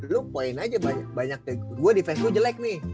lu point aja banyak kaya gitu gua defense ku jelek nih